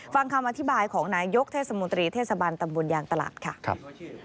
ฟังคำอธิบายของนายกิตตีศักดิ์กองเพชรเทศบาลยางตลาดครับ